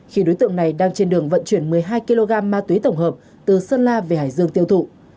khi đối tượng này đang trên đường vận chuyển một mươi hai kg ma túy tổng hợp từ sơn la về hải dương tiêu thụ